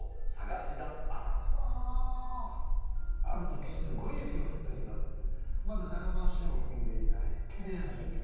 ある時すごい雪が降った日があってまだ誰も足を踏んでいないきれいな雪。